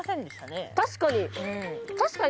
確かに。